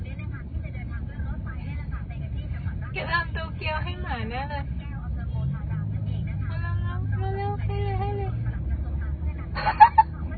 เรียนรับที่จะเดินทางด้วยรถไฟและถามไปกับที่สมัน